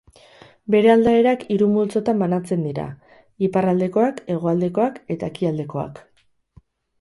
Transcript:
Bere aldaerak hiru multzotan banatzen dira: iparraldekoak, hegoaldekoak eta ekialdekoak.